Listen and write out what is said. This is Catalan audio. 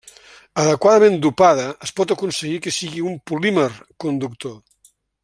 Adequadament dopada, es pot aconseguir que sigui un polímer conductor.